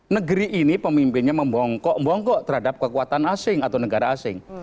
negeri ini pemimpinnya membongkok bongkok terhadap kekuatan asing atau negara asing